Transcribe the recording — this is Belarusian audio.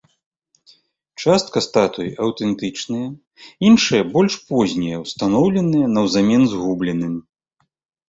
Частка статуй аўтэнтычныя, іншыя больш познія, устаноўленыя наўзамен згубленым.